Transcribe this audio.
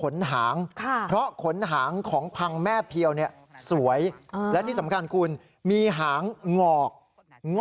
เพื่อทำให้ช้างเจ็บเพื่อจะขโมยตัดขนหาง